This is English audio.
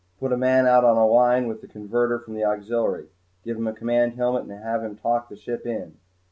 "Put a man out on a line with the converter from the auxiliary. Give him a command helmet and have him talk the ship in."